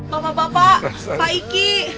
bapak bapak pak iki